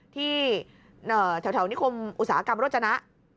ที่แถวนิคมอุตสาหกรรมโรจนะ